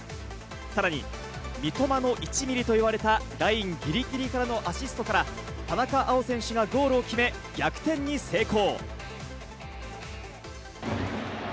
さらに三笘選手の１ミリと言われた、ラインぎりぎりからのアシストから田中碧選手がゴールを決め、逆転に成功。